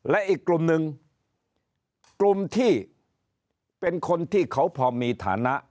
และอีกกลุ่มหนึ่งกลุ่มที่เป็นคนที่เขาพอมีฐานะ